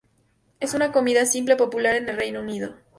Es una comida simple, popular en el Reino Unido.